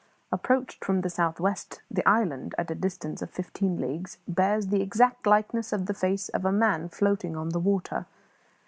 Approached from the south west the island, at a distance of fifteen leagues, bears the exact likeness of the face of a man floating on the water.